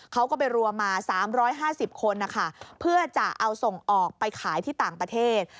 เขาก็ไปรวมมา๓๕๐คนนะคะเพื่อจะเอาส่งออกไปขายที่ต่างประเทศ